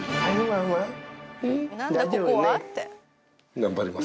頑張ります。